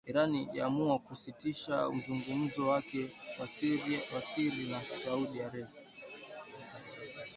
Iran yaamua kusitisha mazungumzo yake ya siri na Saudi Arabia